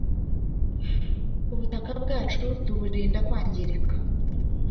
ubutaka bwacu tuburinda kwangirika